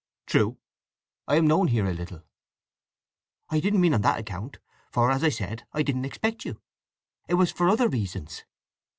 "True. I am known here a little." "I didn't mean on that account—for as I said I didn't expect you. It was for other reasons."